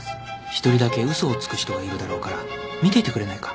１人だけ嘘をつく人がいるだろうから見ていてくれないか？